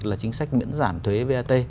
là chính sách miễn giảm thuế vat